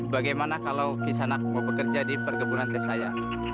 bagaimana kalau kisanak mau bekerja di perkebunan tes saya